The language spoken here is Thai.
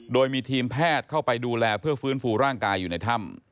โดยมีทีมแพทย์เข้าไปดูแลเพื่อฟื้นฟูร่างกายอยู่ในถ้ำ